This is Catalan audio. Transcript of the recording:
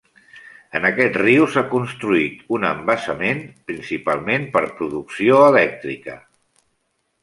En aquest riu s'ha construït un embassament principalment per producció elèctrica.